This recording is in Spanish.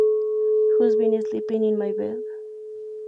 Who's Been Sleeping in My Bed?